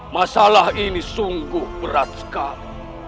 masalah ini sungguh berat sekali